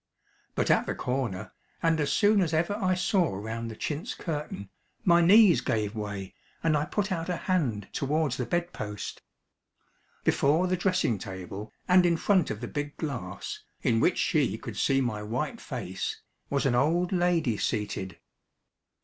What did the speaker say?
But at the corner, and as soon as ever I saw round the chintz curtain, my knees gave way, and I put out a hand towards the bed post. Before the dressing table, and in front of the big glass, in which she could see my white face, was an old lady seated.